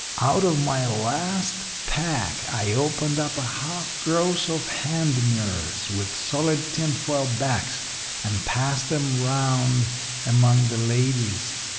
"Out of my last pack I opened up a half gross of hand mirrors, with solid tinfoil backs, and passed 'em around among the ladies.